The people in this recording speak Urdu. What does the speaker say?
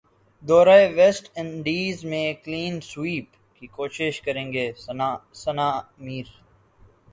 دورہ ویسٹ انڈیز میں کلین سویپ کی کوشش کرینگے ثناء میر